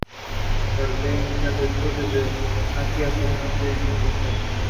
He also gave financial support to the Marathi and Kannada film industries.